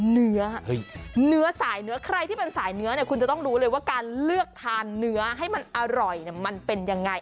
เนื้อเนื้อสายเนื้อใครที่เป็นสายเนื้อเนี่ยคุณจะต้องรู้เลยว่าการเลือกทานเนื้อให้มันอร่อยมันเป็นยังไง